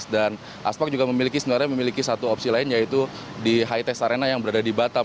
dan aspak juga sebenarnya memiliki satu opsi lain yaitu di hitex arena yang berada di batam